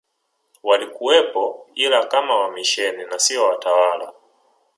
walikuwepo ila kama wamisheni na sio watawala